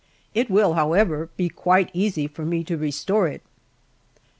It will, however, be quite easy for me to restore it."